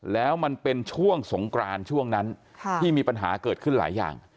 แล้วมันเป็นช่วงสงกรานช่วงนั้นที่มีปัญหาเกิดขึ้นหลายอย่าง